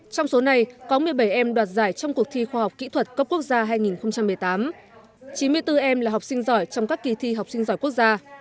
trong số này có một mươi bảy em đoạt giải trong cuộc thi khoa học kỹ thuật cấp quốc gia hai nghìn một mươi tám chín mươi bốn em là học sinh giỏi trong các kỳ thi học sinh giỏi quốc gia